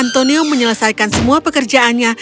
antonio menyelesaikan semua pekerjaannya